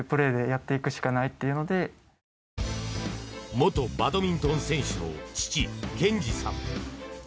元バドミントン選手の父・兼二さん。